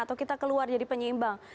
atau kita keluar jadi penyeimbang